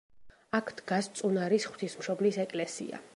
აქ დგას წუნარის ღვთისმშობლის ეკლესია.